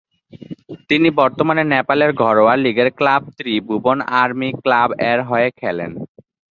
তিনি বর্তমানে নেপালের ঘরোয়া লীগের ক্লাব ত্রিভুবন আর্মি ক্লাব এর হয়ে খেলেন।